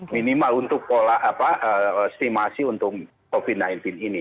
minimal untuk pola estimasi untuk covid sembilan belas ini